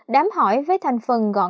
đám hỏi với thành phần gọn